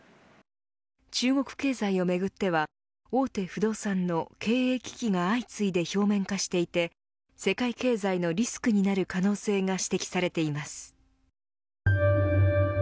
中国経済をめぐっては大手不動産の経営危機が相次いで表面化していて世界経済のリスクになる可能性が指摘されています。